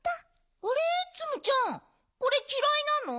あれっツムちゃんこれきらいなの？